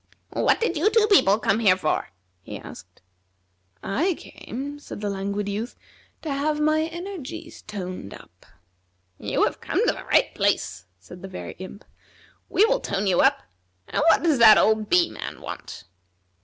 "What did you two people come here for?" he asked. "I came," said the Languid Youth, "to have my energies toned up." "You have come to the right place," said the Very Imp. "We will tone you up. And what does that old Bee man want?"